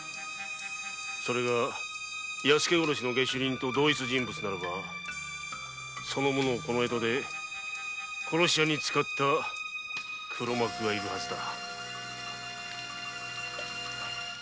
それが弥助殺しの下手人と同一人物ならばその者をこの江戸で殺し屋に使った黒幕が居るはずだ。